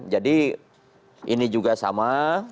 jadi ini juga sama